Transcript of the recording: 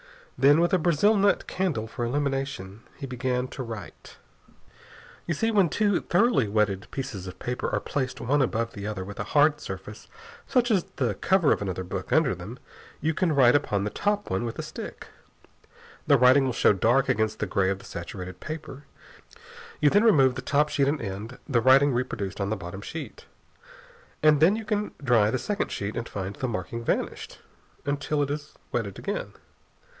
Then, with a brazil nut candle for illumination, he began to write. You see, when two thoroughly wetted pieces of paper are placed one above the other with a hard surface such as the cover of another book under them, you can write upon the top one with a stick. The writing will show dark against the gray of the saturated paper. You then remove the top sheet and end the writing reproduced on the bottom sheet. And then you can dry the second sheet and find the marking vanished until it is wetted again.